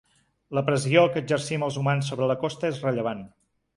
La pressió que exercim els humans sobre la costa és rellevant.